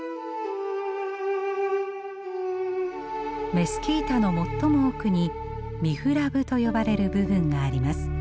メスキータの最も奥にミフラブと呼ばれる部分があります。